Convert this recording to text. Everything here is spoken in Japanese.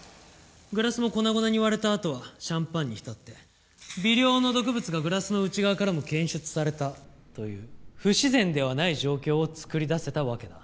グラスも粉々に割れたあとはシャンパンに浸って微量の毒物がグラスの内側からも検出されたという不自然ではない状況を作り出せたわけだ。